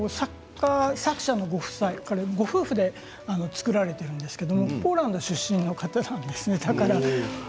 作者のご夫妻ご夫婦で作られているんですがポーランド出身の方なんですね。